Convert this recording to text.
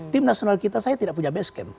tim nasional kita saya tidak punya base camp